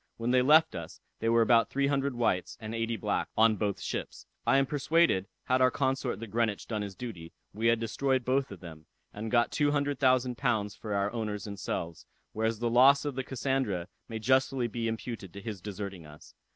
When they left us, they were about three hundred whites, and eighty blacks, on both ships. I am persuaded, had our consort the Greenwich done his duty, we had destroyed both of them, and got two hundred thousand pounds for our owners and selves; whereas the loss of the Cassandra may justly be imputed to his deserting us.